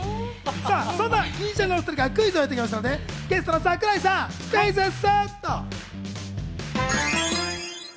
そんな銀シャリのお２人からクイズをいただいていますので、ゲストの桜井さんにクイズッス！